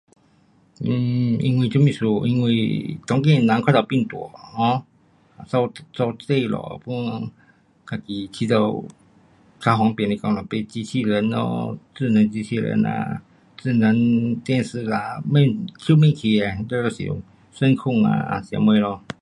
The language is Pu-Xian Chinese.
um 因为做什么事，因为当今的人过头懒惰，um 扫，扫地下 pun 自己觉得较方便来讲就买机器人咯，智能机器人呐，智能电视啦，什么什么器都有，真控啊还是什么咯